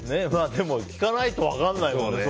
でも聞かないと分かんないもんね。